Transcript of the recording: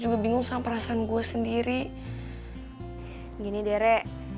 gue jadi bingung banget sama perasaan gue sendiri gini deh re